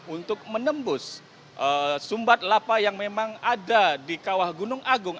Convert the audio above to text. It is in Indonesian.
untuk menembus sumbat lapa yang memang ada di kawah gunung agung